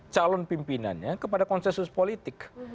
calon pimpinannya kepada konsensus politik